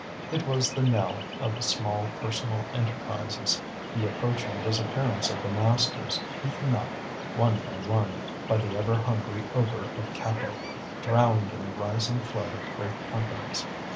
It was the knell of small personal enterprises, the approaching disappearance of the masters, eaten up, one by one, by the ever hungry ogre of capital, drowned in the rising flood of great companies.